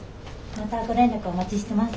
またご連絡お待ちしてます。